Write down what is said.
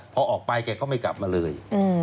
พอออกไปแกก็ไม่กลับมาเลย